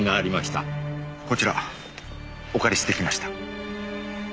こちらお借りしてきました。